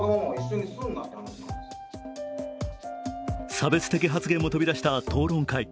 差別的発言も飛び出した討論会。